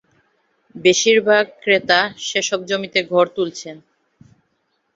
বেশির ভাগ ক্রেতা সেসব জমিতে ঘর তুলেছেন।